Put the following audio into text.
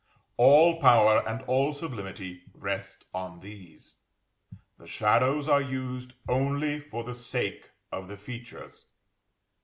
All power and all sublimity rest on these; the shadows are used only for the sake of the features.